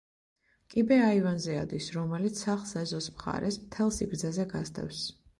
კიბე აივანზე ადის, რომელიც სახლს ეზოს მხარეს, მთელ სიგრძეზე გასდევს.